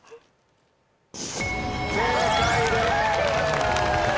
正解です。